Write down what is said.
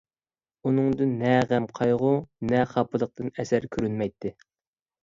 ئۇنىڭدىن نە غەم-قايغۇ، نە خاپىلىقتىن ئەسەر كۆرۈنمەيتتى.